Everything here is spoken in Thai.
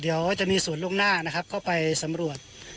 เดี่ยวจะมีส่วนลงหน้าเข้าไปสำรวจ